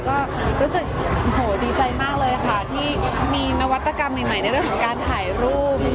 ก็รู้สึกดีใจมากเลยค่ะที่มีนวัตกรรมใหม่ในเรื่องของการถ่ายรูป